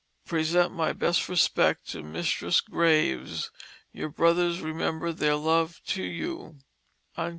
Present my best respects to Mistris Graves. Your brothers remember their love to you."